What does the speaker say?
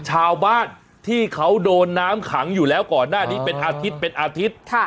ชาวบ้านที่เขาโดนน้ำขังอยู่แล้วก่อนหน้านี้เป็นอาทิตย์เป็นอาทิตย์